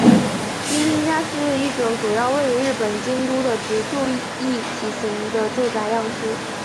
京町家是一种主要位于日本京都的职住一体型的住宅样式。